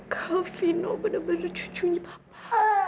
kau vino benar benar cucunya papa